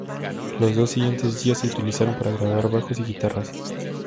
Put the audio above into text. Los dos siguientes días se utilizaron para grabar bajos y guitarras.